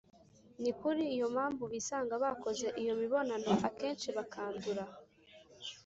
ni kuri iyo mpamvu bisanga bakoze iyo mibonano akenshi bakandura.